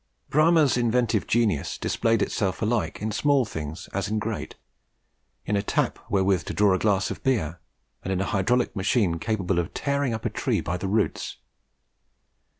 Bramah's inventive genius displayed itself alike in small things as in great in a tap wherewith to draw a glass of beer, and in a hydraulic machine capable of tearing up a tree by the roots.